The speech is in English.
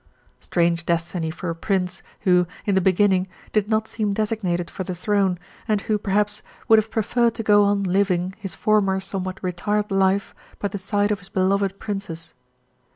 Strange destiny for a prince, who, in the beginning, did not seem designated for the throne, and who, perhaps, would have preferred to go on living his former somewhat retired life by the side of his beloved princess.